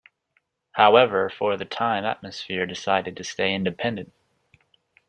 However, for the time, Atmosphere decided to stay independent.